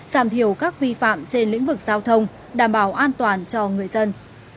giảm thiểu các vi phạm trên lĩnh vực giao thông đảm bảo an toàn cho người dân